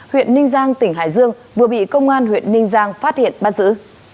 huyện ninh giang tỉnh hải dương vừa bị công an huyện ninh giang phát hiện bắt giữ